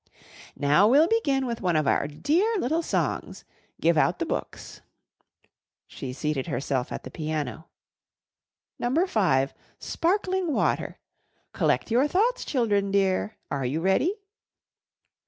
"Now, we'll begin with one of our dear little songs. Give out the books." She seated herself at the piano. "Number five, 'Sparkling Water.' Collect your thoughts, children dear. Are you ready?"